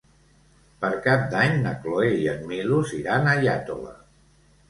Per Cap d'Any na Cloè i en Milos iran a Iàtova.